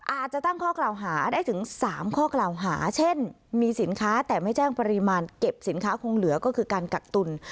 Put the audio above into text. อาจจะตั้งข้อกล่าวหาได้ถึง๓ข้อกล่าวหาเช่นมีสินค้าแต่ไม่แจ้งปริมาณเก็บสินค้าคงเหลือก็คือการกักตุล